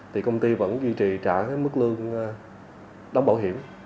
thì công ty vẫn duy trì trả cái mức lương đóng bảo hiểm